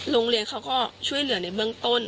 โรงเรียนเขาก็ช่วยเหลือในเบื้องต้น